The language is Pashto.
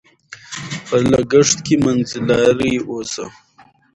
په لګښت کې منځلاري اوسئ.